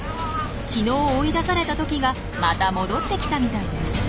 昨日追い出されたトキがまた戻って来たみたいです。